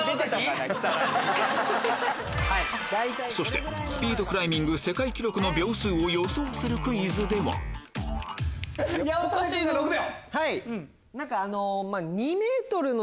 そしてスピードクライミング世界記録の秒数を予想するクイズでは八乙女君６秒？